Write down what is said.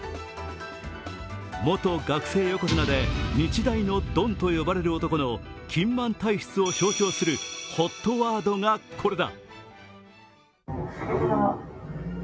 元学生横綱で日大のドンと呼ばれる男の金満体質を象徴するＨＯＴワードがこれだ。